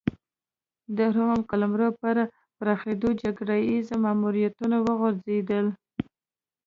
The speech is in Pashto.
د روم قلمرو په پراخېدو جګړه ییز ماموریتونه وغځېدل